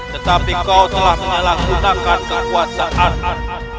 tetapi kau telah menyalahgunakan kekuasaan